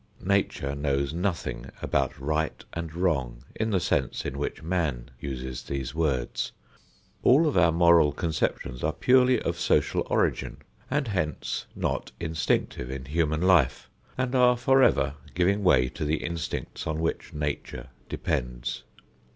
Nature knows nothing about right and wrong in the sense in which man uses these words. All of our moral conceptions are purely of social origin and hence not instinctive in human life, and are forever giving way to the instincts on which Nature depends.